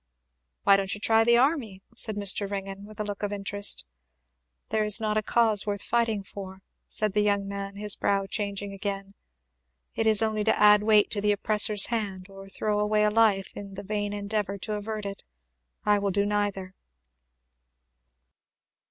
"Why don't you try the army?" said Mr. Ringgan with a look of interest. "There is not a cause worth fighting for," said the young man, his brow changing again. "It is only to add weight to the oppressor's hand, or throw away life in the vain endeavour to avert it. I will do neither."